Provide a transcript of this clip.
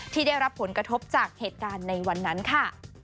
ที่ได้รับผลกระทบจากเหตุการณ์ในวันนั้นค่ะ